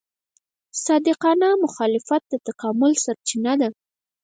صادقانه مخالفت د تکامل سرچینه ده.